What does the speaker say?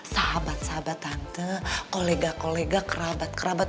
sahabat sahabat tante kolega kolega kerabat kerabat